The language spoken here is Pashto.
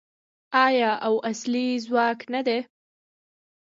آیا او اصلي ځواک نه دی؟